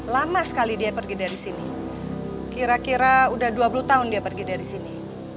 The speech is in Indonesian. lama sekali dia pergi dari sini kira kira udah dua puluh tahun dia pergi dari sini